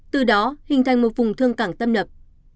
từ đó hình thành một vùng thương cảng tâm nập